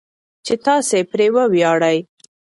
چې تاسو پرې وویاړئ.